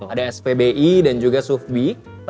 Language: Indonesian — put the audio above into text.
ada spbi dan juga sufbi